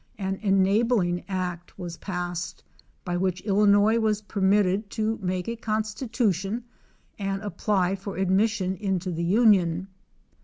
In 1818, April 18, an Enabling act was passed by which Illinois was permitted to make a constitution and apply for admission into the union.